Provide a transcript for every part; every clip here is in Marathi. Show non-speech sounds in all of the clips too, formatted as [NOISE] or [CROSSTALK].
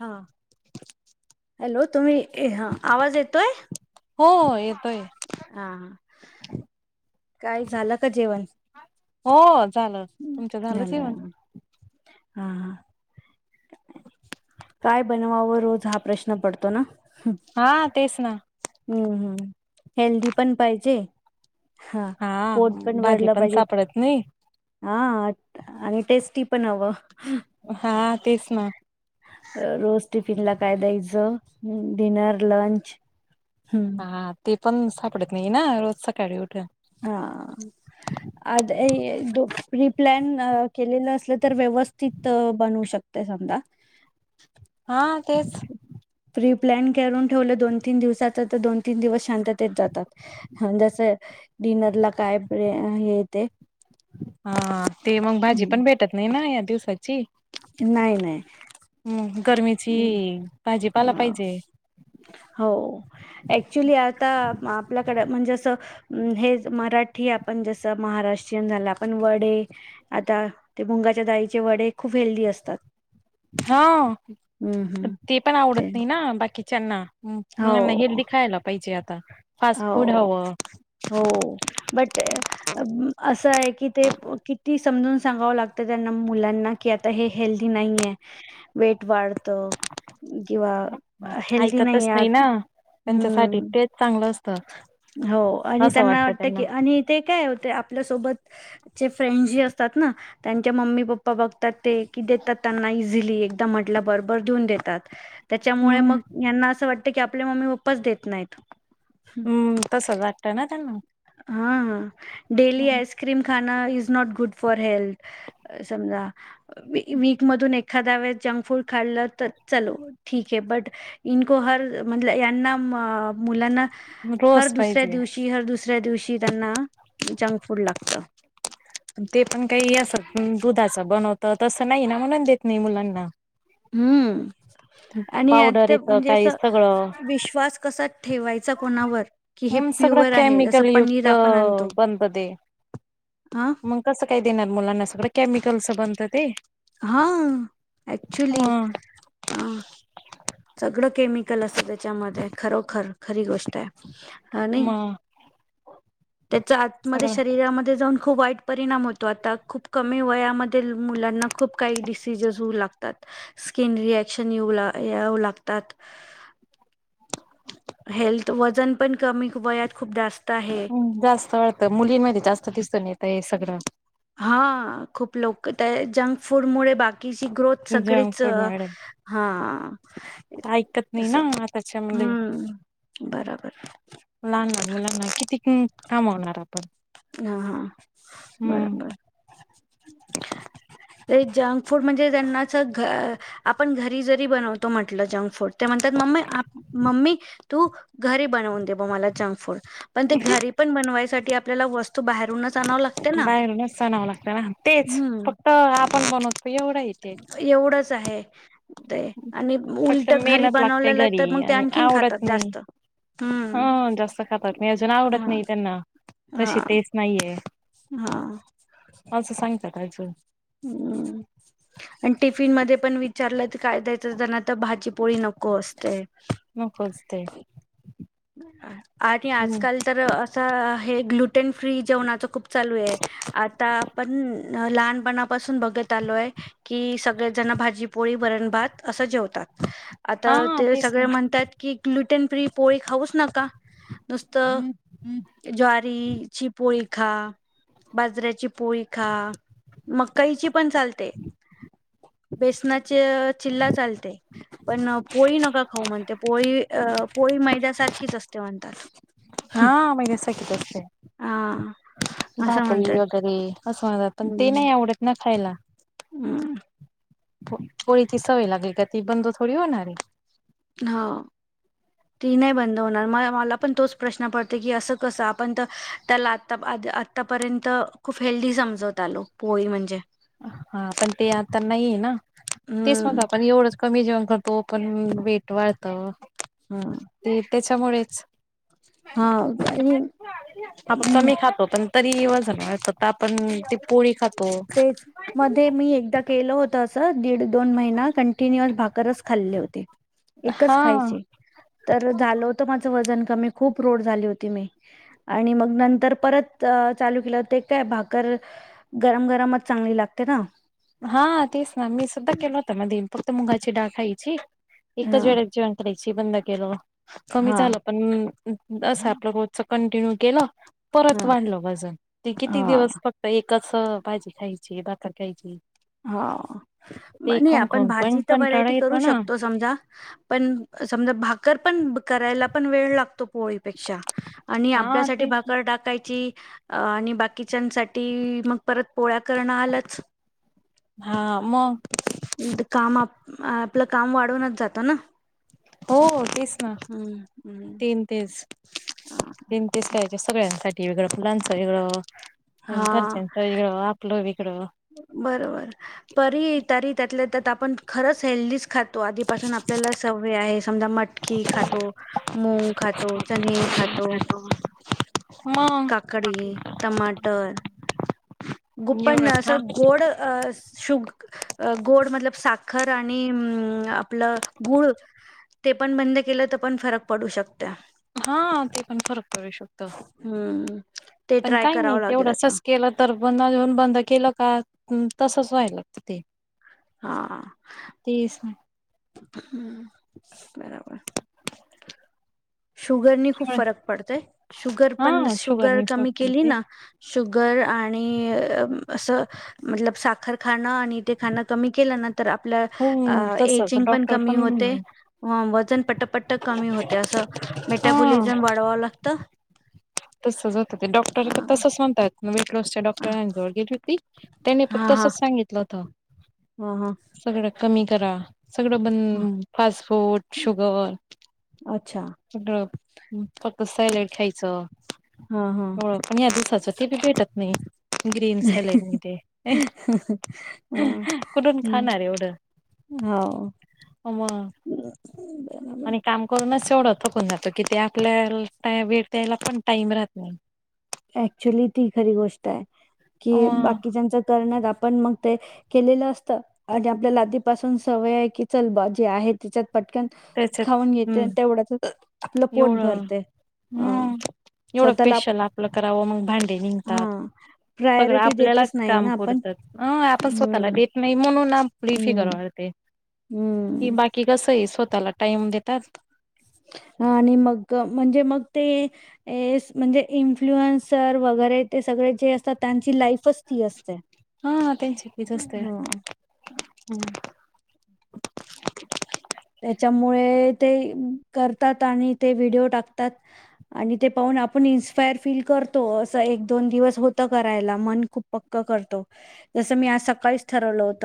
हा. हॅलो तुम्ही आवाज येतोय. हो येतोय. हा हा. काय झालं का जेवण? हो. झालं तुमच झाल जेवण? हां हां. काय बनवावं रोज हा प्रश्न पडतो ना? हा तेचना हम्म हम्म हेल्दी पण पाहिजे. हा पोट पण भाजी भरलं पाहिजे. सापडत नाही हा आणि टेस्टी पण हवं. हा तेच ना, रोज टिफिनला काय द्यायचं, डिनर लंच हम्म हा ते पण सापडत नाही ना रोज सकाळी उठ हा रिप्लॅन केलेलं असलं तर व्यवस्थित बनवू शकते समजा, हा तेच, प्री प्लॅन करून ठेवलं दोन, तीन दिवसाचा तर दोन तीन दिवस शांतत ते जातात हं जस डिनर ला काय प्रे हे येते. हा ते मग भाजी, पण भेटत नाही ना यात दिवसाची. नाही, नाही. हम्म गरमीची ह भाजीपाला पाहिजे हो ऍक्च्युली आता म आपल्याकड म्हणजे असं हे मराठी आपण जसं महाराष्ट्रीयन झालं, आपण वडे आता ते मुंगाच्या दाळीचे वडे खूप हेल्दी असतात. हा! हम्म पण हम्म ते पण आवडत नाही ना बाकी. चन्ना हो मुलांना हेल्दी खायला पाहिजे आत. ता! हो, हो, बट असं आहे की ते किती. समजून सांगाव लागत त्यांना मुलांना, की आता हे हेल्थी नाहीय वेट वाढ किंवा हेल्दी ऐकतच नाही आज ना त्यांच्यासाठी हूं. तेच चांगलं असतं हो आणि असं त्यांना वाटतं वाटत की, आणि ते काय होते अप ल्यासोबत जे फ्रेंड जी असतात ना त्यांच्या मम्मी पप्पा बघतात. ते की देतात त्यांना. ली एकदा म्हटल बरबर देऊन देतात. त्याच्यामुळे हम्म मग यांना असं वाट त की आपले मम्मी पप्पा च देत नाहीत. हूं! तसंच वाटत ना त्यांना. हा हा! डेली हम्म, आइसक्रीम खा. Is not good for health, समजा वीक मधून एखाद्या वेळेस जंक फूड खाल्लं तर चलो ठीक ये, बट इनको हर म्हणलं यांना मा मुलांना. हर रोज दुसऱ्या पाहिजे. दिवशी, हर दुसऱ्या दिवशी त्यांना जंक फूड लागत. ते पण काही असं दुधाचं बनवत तसं नाही ना, म्हणून देत नाही मुलांना. हूं आणि पावडर आता येतं म्हणजे काही असं सगळं विश्वास कसा ठेवायचा कोणावर, कि हे हम्म सगळं प्युअर आहे जसं केमिकल पनीर युक्त आपण आणतो बनत ह! कस काय देणार मुलांना सगळं केमिकलचं बनतं ते. हा याक्चुली ह हा! सगळं केमिकल असतं त्याच्यामध्ये, खरोखर खरी गोष्ट आहे. हा नाही. मग त्याच्या आतमध्ये सगळं. शरीरामध्ये जाऊन खूप वाईट परिणाम होतो आता, खूप कमी वयामध्ये मुलांना खूप काही डिसिजेस होऊ लागतात स्किन रिएक्शन येऊ लागतात. हेल्थ वजन पण कमी वयात खूप जास्त आहे हो जास्त वाटतं मुलींमध्ये जास्त दिसत नाही येत? [INAUDIBLE] फुडमुळे [INAUDIBLE] जंक फूड मुळे. ऐकत नाही ना आताच्या मुली हम्म थांबवणार आपण, हा हा हम्म. बरोबर ते जंक फूड म्हणजे त्यांनाच आपण घरी जरी बनवतो म्हटलं जंक फूड त्या म्हणतात मम्मी मम्मी तू घरी बनवून दे मगं मला जंक फूड पण ते घरी पण बनवायसाठी आपल्याला वस्तू बाहेरूनच आणाव लागते ना बाहेरूनच आनावं लागत ना तेच हम्म फक्त आपण बनवतो एवढं येते एवढंच आहे ते आणि फक्त उलट घरी मेहनत लागते बनवलेलं तर घरी मगं ते आणि आणखीन आवडत खातात नाही जास्त हम्म. मी अजून आवडत हा नाही त्यांना हा तशी टेस्ट नाहीये हा. असं [UNINTELLIGIBLE] हम्म आणि टिफिन मध्ये पण विचारलं काय द्यायचं जना? तर भाजीपोळी नको असतयं, नकोच ते आणि हम्म आजकाल तर असा हे ग्लुटेन फ्री जेवणाचं खूप चालू आहे आता आपण लहानपणापासून बघत आलोय की सगळेजण भाजीपोळी वरण भात असं जेवतात? आता हा ते तेच ना सगळे म्हणतात की ग्लुटन फ्री पोळी नका नुसतं. ज्वारीची पोळी खा बाजरीची पोळी खा, मकाईची पण चालते बेसनाचे चिल्ला चालते, पण पोळी नका खाऊ म्हणते पोळी पोळी, मैद दा सारखीच असते म्हणतात. हा मगे स कच आहे हा असं म्हणतात भाकरी वगैरे असं म्हणतात, पण ते नाही आवडत ना खायला हम्म पोळीची सवय लागेल का ती बंद थोडी होणारे ह ती नाही बंद होणार म मला पण तोच प्रश्न पडतो की असं कसं आपण तर त्याला आता आतापर्यंत खूप हेल्दी समजत आलो पोळी म्हणजे हा पण ते आता नाहीये ना, ‌तेच मग हम्म आपण एवढंच कमी जेव तो पण वेट वाढत ते त्याच्यामुळेच हा आपण म कमी खातो पण तरी वजन वाढत आता आपण पोळी खातो तेच मध्ये मी एकदा केलं होत असं दीड दोन महिना कंटिन्यूअस भाकरच खाल्ले होते. हा एकच खायची तर झालं होत माझं वजन मी खूप रोड झाली होती मी आणि मग नंतर परत चालू केलं ते काय भाकर गरम गरमच चांगली लागते ना हा तेच ना मी सुद्धा केलं होत मदे फक्त मुगाची डाळ खायची हा एकच वेळे जेवण करायचं ते बंद केलं कमी हा झालं पण असं आपलं रोजच कंटिन्यू केलं हा परत वाढलं वजन ते किती हा दिवस फक्त एक कसं भाजी खायची भाखर खायची ते ह खाऊन आपण खाऊन पण भाजी तर कंटाळा व्हरायटी करू येतो ना शकतो समजा, पण समजा भाक कर पण करायला पण वेळ लागतो पोळीपेक्षा आणि हा आपल्यासाठी ते भाकर टाकायची आणि बाकीच्यासाठी, मग परत पोळ्या करणं आलंच. हा मग उ कामात आपलं काम वाढवूनच जातं ना? हो तेच ना हम्म हम्म तीन तेच तीन तेच सगळ्यांसाठी वेगळं मुलाचं वेगळं ह हा घरच्यांचं वेगळं, आपलं वेगळं [UNINTELLIGIBLE] बरोबर परी तरी त्यातल्या त्यात आपण खरंच हेल्दी खातो आधीपासून आपल्याला सवय आहे समजा मटकी खातो, मूंग खातो, चने खातो मग काकडी टमाटर गुप्पन एवढंच ना असं गोड शुग गोड मतलब साखर आणि आपलं गूळ ते पण बंद केलं तर पण फरक पडू शकतो हा ते पण फरक करू शकतो. हम्म ते पण ट्राय काही नाही करावं लागेल तेवढं आता असच केलं तर बंद घेऊन बंद केलं का तसच व्हायला लागत ते हां तेच ना हम्म बरोबर. शुगरनी खूप फरक पडतंय शुगर हा पण शुगर शुगरनी कमी फरक केली येते ना शुगर आणि अस मतलब साखर खाणं आणि ते खाणं कमी केलं ना तर आपलं हो अ तसच एजिंग पण डॉक्टर कमी होते व वजन पट पट कमी होतय असं. हा मेटाबॉलिझम वाढवावं लागतं. तसच होतं ते डॉक्टर अ, तर तसच म्हणतात वेटलॉसच्या अ, डॉक्टरांजवळ गेली होती. त्यानी पण तसंच सांगितलं होतं. हां हां करा सगड बंद फास्ट फूड, शुगर अच्छा गप्प फक्त सायलेंट. खायचं हा हा एवढं पण या दिवसाच ते बी भेटत नाही ग्रीन सलाड मधे, ह कुठून खाणार एवढं, हो मग बरोबर. आणि काम करूनच एवढ थकून जातो कीती आ आपल्याला भेटायला पण टाईम राहत नई. ऍक्च्युली ती खरी गोष्ट आहे. कि अ बाकीच्यांच करण्यात आप पण मग ते केलेलं असत आणि आपल्याला आधीपासून सवय आहे की चल बा जे आहे त्याच्यात पटकन त्याच्यात खाऊन घेते हम्म आणि तेवढ्यातच आपलं पोट एवढं भरते अ स्वतःला कराव मग भांडे हा निघतात सगळं प्रायोरिटी देतच आपल्यालाच नाही काम ना आपण पुरतात अ आपण स्वतःला हम्म देत नाही, म्हणूनली फिगर हम्म वाढते. कि हम्म बाकी कस आहे स्व तःला टाइम देतात. आणि मग म्हणजे मग ते म्हणजे इन्फ्लुअन्सर वगैरे ते सगळे जे असतात त्यांची लाईफ फस्ती असते हा त्यांची तीच असते हम्म. त्याच्यामुळे ते करतात, आणि ते व्हिडिओ टाकतात आणि ते पाहून आपण इन्स्पायर फील करतो असं एक, दोन दिवस होतं करायला मन खूप पक्क करतो जसं मी आज सकाळीच ठरवलं होत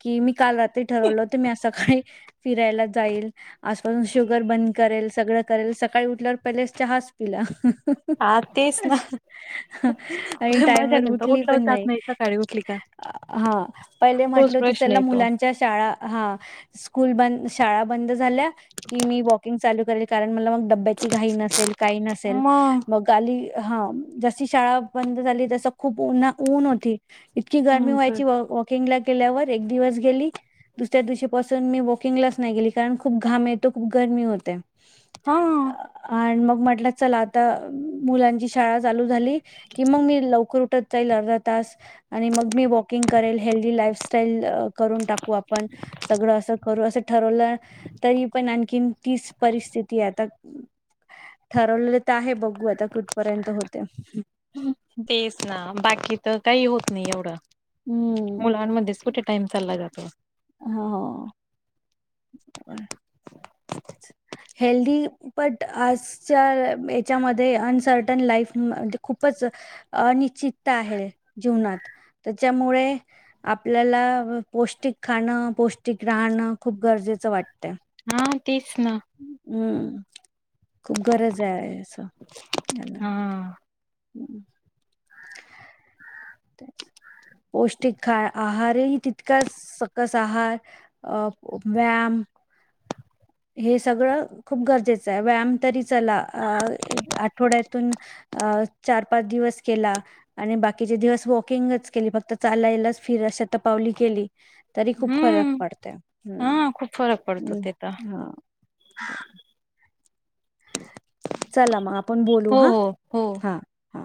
की मी काल रात्री ठरवलं होत मी आज सकाळी फिरायला जाईल, आजपासून शुगर बंद करेल सगळं करेल सकाळी उठल्यावर पहिले चहाच पिला. हा तेच ना आणि पण माझ्या टाइमवर नंतर उठली उठला पण जात नाही. सकाळी उठली का हां पहिले तोच म्हटलं होती प्रश्न चला येतो मुलांच्या शाळा हां शाळा बंद झाल्या की मी वॉकिंग चालू करेल. कारण मला म डब्याची घाई नसेल काही नसेल मग गाली हां. जशी शाळा बंद झाली तस खूप उन ऊन होती. इतकी गरमी हम्म व्हायची वॉ वॉकिंगला. गेल्यावर एक दिवस गेली दुसऱ्या दिवशी बस. सण मी वॉकिंगलाच नाही गेली कारण खूप घाम येतो खूप गरमी होते. अहं. म्हटल चल आता मुलांची शाळा चालू झाली की मग मी लवकर उठत जाईल अर्धा तास आणि मग मी वॉकिंग करेल हेल्दी लाईफस्टाईल करून टाक क्वॉपन. चल करू असं ठरवलं तरी पण आणखी तीच परिस्थिती आता ठरवलेलं तर आहे बघू. गोव्याता कुठपर्यंत होते? हुं. नी एवढं. मुलांमध्येच कुठे टाइम चालला जात. [INAUDIBLE] हं. [UNINTELLIGIBLE] हेल्दी बट आजच्या याच्यामध्ये अनसर्टन लाईफ म आधी खूपच अनिश्चितता आहे. जीवनात त्याच्यामुळे आपल्याला पौष्टिक खाणं पौष्टिक राहणं खूप गरजेचं वाटतय. हा. तिच ना. हम्म. खूप गरज आहे असं हा [UNINTELLIGIBLE] हम्म. तेच. पौष्टिक काय आहार? हेही तितकंच सकस आहार अ व्यायाम हे सगळं खूप गरजेचे आहे व्यायाम तरी चला आ आठवड्यातून आ चार-पाच दिवस केला आणि बाकीचे दिवस वॉकिंगच केली फक्त चालायलाच फिरस शतपावली केली. तरी खूप फरक हम्म पडते हम्म हा खूप फरक पडतो ते तर हम् हा ह. चला म आपण बोलू हो हा हो हो हा.